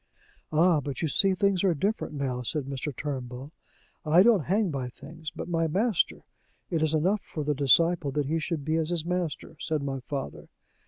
'Ah, but you see things are different now,' said Mr. Turnbull. 'I don't hang by things, but by my Master. It is enough for the disciple that he should be as his Master,' said my father.